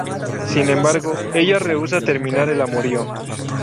Sin embargo, ella rehúsa terminar el amorío.